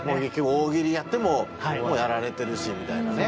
大喜利やってももうやられてるしみたいなね。